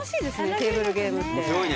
テーブルゲームって。